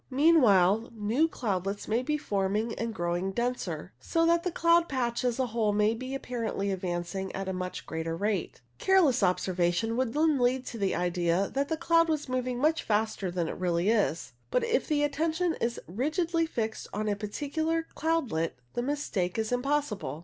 Meanwhile new cloudlets may be forming and growing denser, so that the cloud patch as a whole may be appa rently advancing at a much greater rate. Careless observation would then lead to the idea that the I 58 CIRRO STRATUS AND CIRRO CUMULUS cloud was moving much faster than it really is, but if the attention is rigidly fixed on a particular cloudlet the mistake is impossible.